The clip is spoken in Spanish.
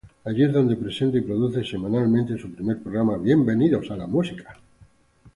Allí es donde presenta y produce semanalmente su primer programa, "Bienvenidos a la Música".